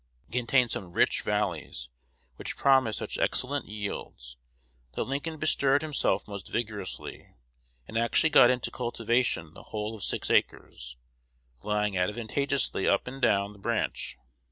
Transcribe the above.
It contained some rich valleys, which promised such excellent yields, that Lincoln bestirred himself most vigorously, and actually got into cultivation the whole of six acres, lying advantageously up and down the branch.